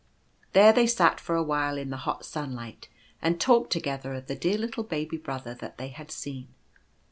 There they sat for a while in the hot sunlight, and talked together of the dear little baby brother that they had seen.